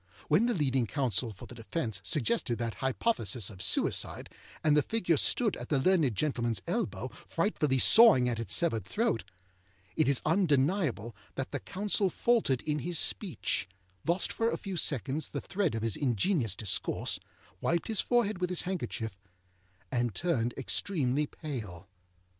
When the leading counsel for the defence suggested that hypothesis of suicide, and the figure stood at the learned gentlemanâs elbow, frightfully sawing at its severed throat, it is undeniable that the counsel faltered in his speech, lost for a few seconds the thread of his ingenious discourse, wiped his forehead with his handkerchief, and turned extremely pale.